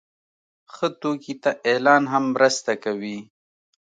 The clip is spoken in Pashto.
ښه توکي ته اعلان هم مرسته کوي.